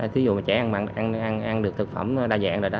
thí dụ mà trẻ ăn được thực phẩm đa dạng rồi đó